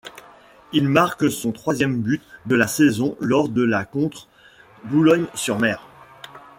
Il marque son troisième but de la saison lors de la contre Boulogne-sur-Mer.